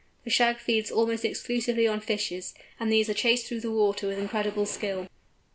The Shag feeds almost exclusively on fishes, and these are chased through the water with incredible skill.